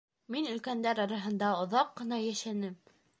Мин өлкәндәр араһында оҙаҡ ҡына йәшәнем.